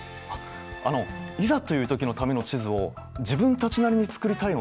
あのいざという時のための地図を自分たちなりに作りたいのですが。